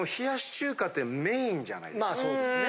まあそうですね。